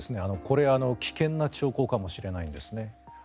これは危険な兆候かもしれませんね。